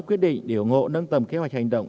quyết định để ủng hộ nâng tầm kế hoạch hành động